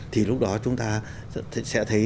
thì lúc đó chúng ta sẽ thấy